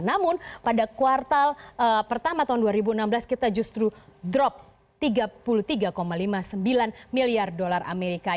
namun pada kuartal pertama tahun dua ribu enam belas kita justru drop tiga puluh tiga lima puluh sembilan miliar dolar amerika